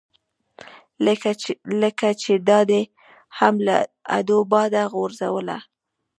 لکه چې دا دې هم له ادو باده غورځوله.